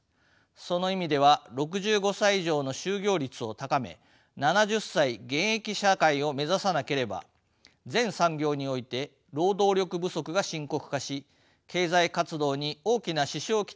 その意味では６５歳以上の就業率を高め７０歳現役社会を目指さなければ全産業において労働力不足が深刻化し経済活動に大きな支障を来すことは明白です。